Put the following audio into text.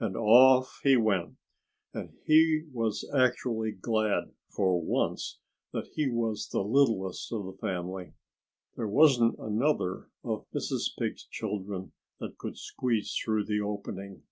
And off he went. And he was actually glad, for once, that he was the littlest of the family. There wasn't another of Mrs. Pig's children that could squeeze through the opening.